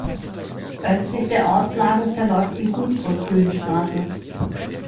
Östlich der Ortslage verläuft die Hunsrückhöhenstraße.